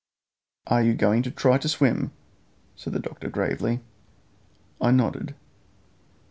"Are you going to try to swim?" said the doctor gravely. I nodded.